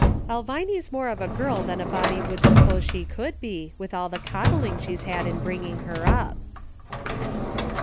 Elviny's more of a girl than a body would suppose she could be, with all the coddling she's had in bringing her up."